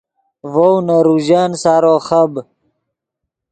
ڤؤ نے روژن سارو خب